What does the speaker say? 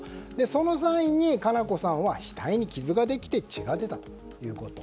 その際に佳菜子さんは額に傷ができて血が出たということ。